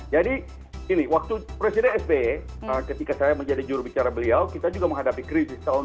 jadi ini waktu presiden sp ketika saya menjadi jurubicara beliau kita juga menghadapi krisis tahun dua ribu delapan